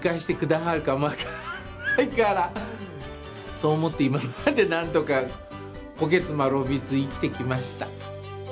そう思って今まで何とかこけつ転びつ生きてきました。